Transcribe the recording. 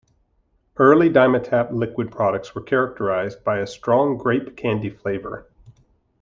Early Dimetapp liquid products were characterized by a strong grape candy flavor.